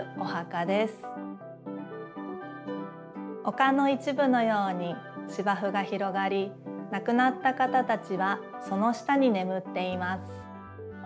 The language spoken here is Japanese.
丘のいちぶのようにしばふが広がり亡くなった方たちはその下にねむっています。